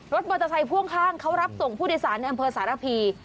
มอเตอร์ไซค่วงข้างเขารับส่งผู้โดยสารในอำเภอสารพี